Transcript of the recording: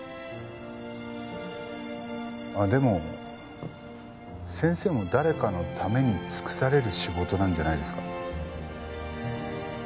あっでも先生も誰かのために尽くされる仕事なんじゃないですか？